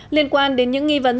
liên quan đến những nghi vấn